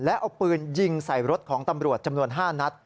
และเอาปืนยิงใส่รถของตำรวจจำนวน๕นัด